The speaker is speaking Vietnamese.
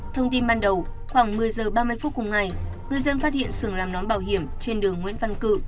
thông tin ban đầu khoảng một mươi giờ ba mươi phút cùng ngày người dân phát hiện sường làm nón bảo hiểm trên đường nguyễn văn cự